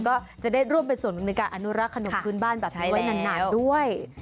ก็จะได้ร่วมเป็นส่วนหนึ่งในการอนุรักษ์ขนมพื้นบ้านแบบนี้ไว้นานด้วย